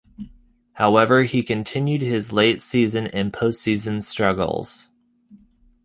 However, he continued his late season and postseason struggles.